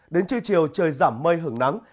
đến chiều trời giảm mây hưởng nắng